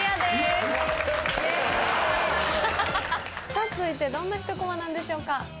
さぁ続いてどんなひとコマなんでしょうか。